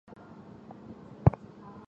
金熙宗赐萧肄通天犀带。